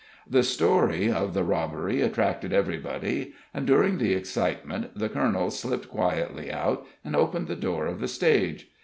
The story of the robbery attracted everybody, and during the excitement the colonel slipped quietly out, and opened the door of the stage.